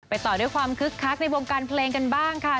ต่อด้วยความคึกคักในวงการเพลงกันบ้างค่ะ